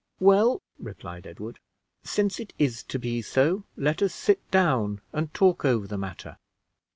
"Well," replied Edward, "since it is to be so, let us sit down and talk over the matter.